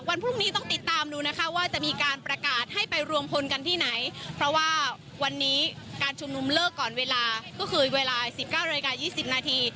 วันพรุ่งนี้ต้องติดตามดูนะคะว่าจะมีการประกาศให้ไปรวมพลกันที่ไหนเพราะว่าวันนี้การชุมนุมเลิกก่อนเวลาก็คือเวลาสิบเก้านาฬิกา๒๐นาที